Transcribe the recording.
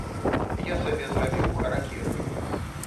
Я сабе зрабіў харакіры.